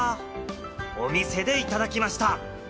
お店でいただきました。